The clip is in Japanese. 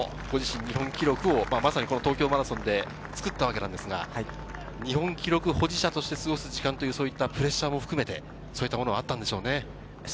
ご自身も日本記録を東京マラソンで作ったわけですが、大迫さん、日本記録保持者として過ごす時間、プレッシャーも含めて、そういうものがあったんでしょうね。